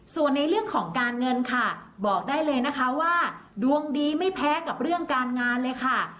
ส่วนในเรื่องของการเงินค่ะบอกได้เลยนะคะว่าดวงดีไม่แพ้กับเรื่องการงานเลยค่ะ